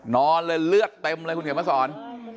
นอนเลยเลือดเต็มเลยคุณเห็นไหมศร